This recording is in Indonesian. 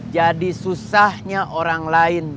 jadi susahnya orang lain